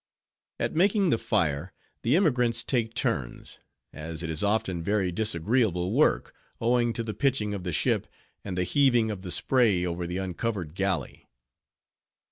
At making the fire, the emigrants take turns; as it is often very disagreeable work, owing to the pitching of the ship, and the heaving of the spray over the uncovered "galley."